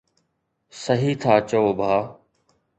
صحيح ٿا چئو ڀاءُ